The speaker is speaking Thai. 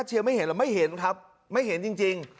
เชียร์ไม่เห็นหรือไม่เห็นครับไม่เห็นจริง